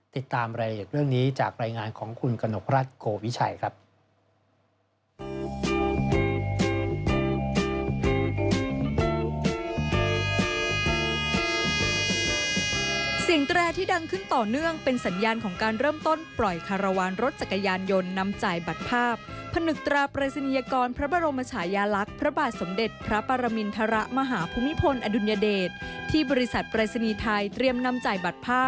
ติดตามรายละเอียดเรื่องนี้จากรายงานของคุณกนกรัฐโกวิชัยครับ